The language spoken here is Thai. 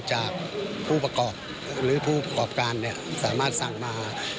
จากผู้ประกอบหรือผู้ประกอบการสามารถสั่งมา